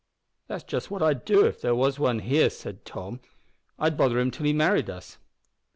"That's just what I'd do if there was one here," responded Tom; "I'd bother him till he married us."